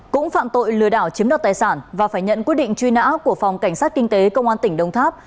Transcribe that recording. cũng phạm tội lừa đảo chiếm đoạt tài sản và phải nhận quyết định truy nã của phòng cảnh sát kinh tế công an tỉnh đồng tháp